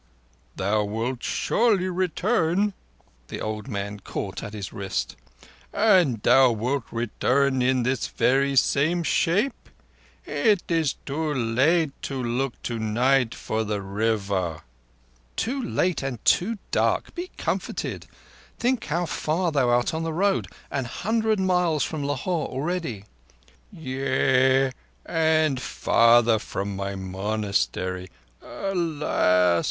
Thou wilt surely return?" The old man caught at his wrist. "And thou wilt return in this very same shape? Is it too late to look tonight for the River?" "Too late and too dark. Be comforted. Think how far thou art on the road—an hundred kos from Lahore already." "Yea—and farther from my monastery. Alas!